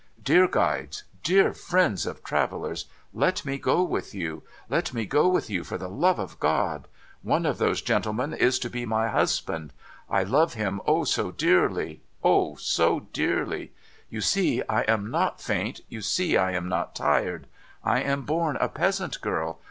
' Dear guides, dear friends of travellers ! Let me go with you. Let me go with you for the love of God ! One of those gentlemen is to be my husband. I love him, O, so dearly. O, so dearly ! You see I am not faint, you see I am not tired. I am born a peasant girl.